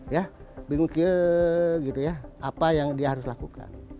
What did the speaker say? ya beingke gitu ya apa yang dia harus lakukan